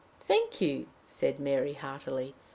"Thank you," said Mary, heartily.